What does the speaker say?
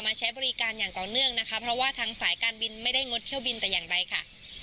ใช้บริการอย่างต่อเนื่องนะคะเพราะว่าทางสายการบินไม่ได้งดเที่ยวบินแต่อย่างใดค่ะ